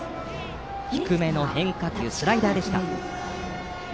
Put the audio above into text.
低めの変化球、スライダーでした。